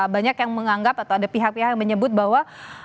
banyak yang menganggap atau ada pihak pihak yang menyebut bahwa